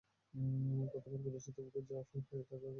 কতো বার বলেছি তোকে যে, আফিম খাইয়ে তাকে এখানে ওখানে লুকিয়ে রাখবি না।